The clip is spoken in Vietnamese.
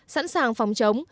sẵn sàng phòng chống